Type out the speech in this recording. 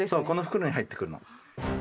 この袋に入ってくるの。